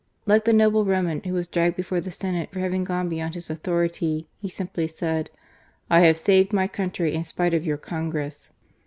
Like the noble Roman who was dragged before the Senate for having gone beyond his authority, he simply said :" I have saved my country in spite of your Con gress."